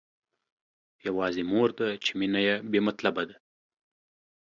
يوازې مور ده چې مينه يې بې مطلبه ده.